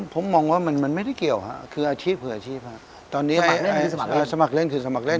ผมมองว่ามันไม่ได้เกี่ยวครับคืออาชีพเผื่ออาชีพครับตอนนี้สมัครเล่นคือสมัครเล่น